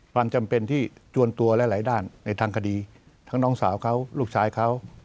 ความจำเป็นที่จวนตัวหลายด้านในทางคดีทั้งน้องสาวเขาลูกชายเขา